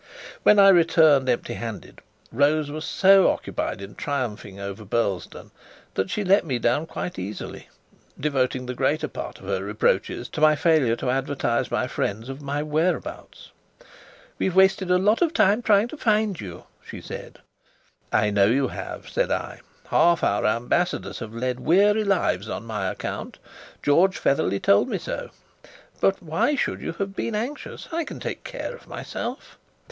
When I returned empty handed, Rose was so occupied in triumphing over Burlesdon that she let me down quite easily, devoting the greater part of her reproaches to my failure to advertise my friends of my whereabouts. "We've wasted a lot of time trying to find you," she said. "I know you have," said I. "Half our ambassadors have led weary lives on my account. George Featherly told me so. But why should you have been anxious? I can take care of myself."